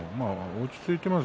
落ち着いています。